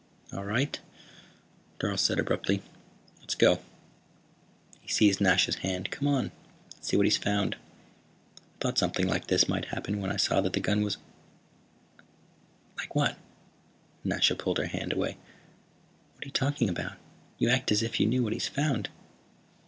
"All right," Dorle said abruptly. "Let's go." He seized Nasha's hand. "Come on. Let's see what he's found. I thought something like this might happen when I saw that the gun was " "Like what?" Nasha pulled her hand away. "What are you talking about? You act as if you knew what he's found."